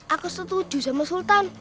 aku setuju sama sultan